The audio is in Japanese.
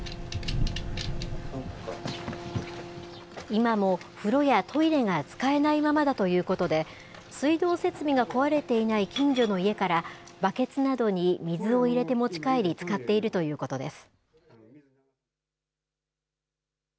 今も風呂やトイレが使えないままだということで、水道設備が壊れていない近所の家からバケツなどに水を入れて持ち帰り、使っているということです。